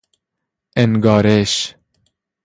انگارش